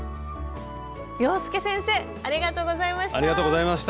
洋輔先生ありがとうございました。